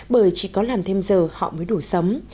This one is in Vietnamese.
bởi chỉ có làm thêm giờ họ mới đủ sống